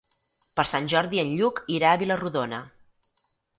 Per Sant Jordi en Lluc irà a Vila-rodona.